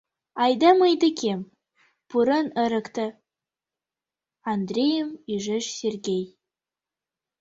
Айда мый декем, пурен ырыкте, — Андрийым ӱжеш Сергей.